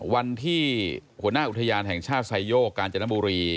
วันที่หัวหน้าอุทยานแห่งชาติไซโยกกาญจนบุรี